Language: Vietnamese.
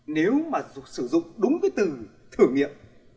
nếu mà sử dụng đúng cái từ thử nghiệm